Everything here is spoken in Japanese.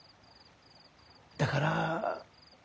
だから。